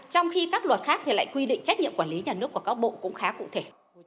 trong khi các luật khác thì lại quy định trách nhiệm quản lý nhà nước của các bộ cũng khá cụ thể